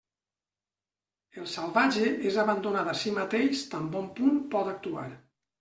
El salvatge és abandonat a si mateix tan bon punt pot actuar.